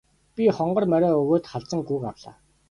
Би хонгор морио өгөөд халзан гүүг авлаа.